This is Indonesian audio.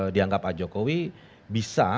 dianggap pak jokowi bisa